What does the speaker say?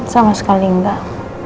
sama sekali enggak